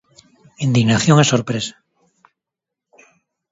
Indignación e sorpresa.